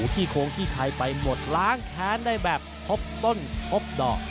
ขี้โค้งขี้คายไปหมดล้างแค้นได้แบบพบต้นพบดอก